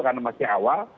karena masih awal